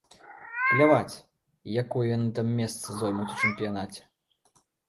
Пляваць, якое яны там месца зоймуць у чэмпіянаце.